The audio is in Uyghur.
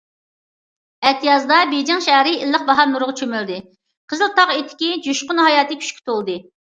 ئەتىيازدا بېيجىڭ شەھىرى ئىللىق باھار نۇرىغا چۆمۈلدى، قىزىل تاغ ئېتىكى جۇشقۇن ھاياتىي كۈچكە تولدى.